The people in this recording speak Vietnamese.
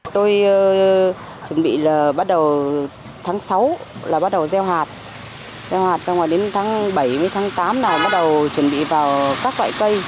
tôi chuẩn bị là bắt đầu tháng sáu là bắt đầu gieo hạt gieo hạt ra ngoài đến tháng bảy tháng tám là bắt đầu chuẩn bị vào các loại cây